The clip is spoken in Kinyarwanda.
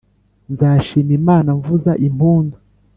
nzashima imana mvuza impundu